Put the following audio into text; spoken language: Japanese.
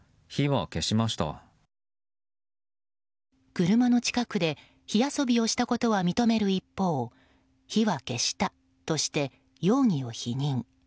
車の近くで火遊びをしたことは認める一方火は消したとして、容疑を否認。